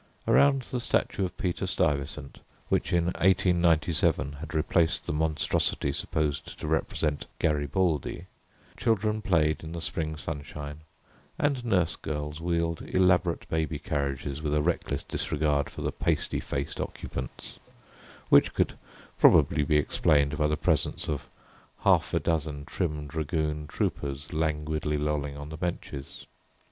Around the statue of Peter Stuyvesant, which in 1897 had replaced the monstrosity supposed to represent Garibaldi, children played in the spring sunshine, and nurse girls wheeled elaborate baby carriages with a reckless disregard for the pasty faced occupants, which could probably be explained by the presence of half a dozen trim dragoon troopers languidly lolling on the benches.